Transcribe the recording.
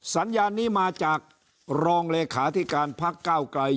สัญญานี้มาจากรองเลขาธิการพักก้าวไกล